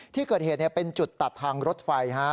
ที่เกิดเหตุเป็นจุดตัดทางรถไฟ